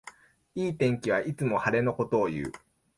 いい天気はいつも晴れのことをいう